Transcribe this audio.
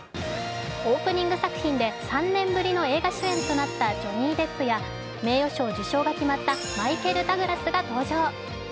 オープニング作品で３年ぶりの映画主演となったジョニー・デップや名誉賞受賞が決まったマイケル・ダグラスが登場。